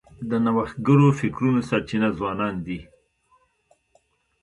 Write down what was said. د نوښتګرو فکرونو سرچینه ځوانان دي.